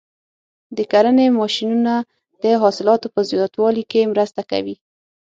د کرنې ماشینونه د حاصلاتو په زیاتوالي کې مرسته کوي.